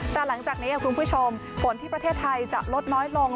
แต่หลังจากนี้คุณผู้ชมฝนที่ประเทศไทยจะลดน้อยลง